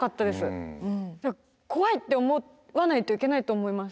怖いって思わないといけないと思います。